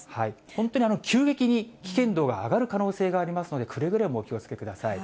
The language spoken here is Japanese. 本当に急激に危険度が上がる可能性がありますので、くれぐれもお気をつけください。